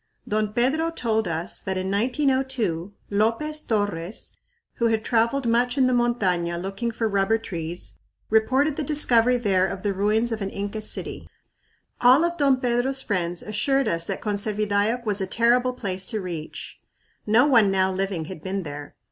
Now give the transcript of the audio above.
Don Pedro told us that in 1902 Lopez Torres, who had traveled much in the montaña looking for rubber trees, reported the discovery there of the ruins of an Inca city. All of Don Pedro's friends assured us that Conservidayoc was a terrible place to reach. "No one now living had been there."